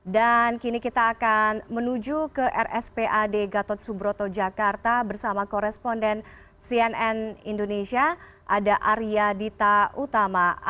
dan kini kita akan menuju ke rspad gatot subroto jakarta bersama koresponden cnn indonesia ada arya dita utama